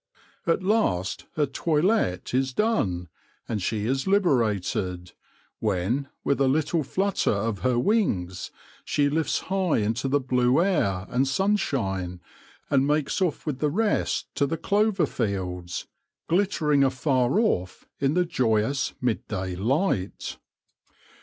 At last her toilette is done, and she is liberated, when, with a little flutter of her wings, she lifts high into the blue air and sun shine and makes off with the rest to the clover fields, glittering afar off in the joyous midday light.